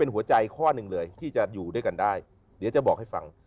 หัวใจข้อหนึ่งเลยที่จะอยู่ด้วยกันได้เดี๋ยวจะบอกให้ฟัง